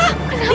ya allah dini